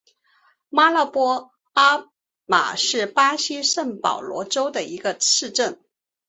马拉波阿马是巴西圣保罗州的一个市镇。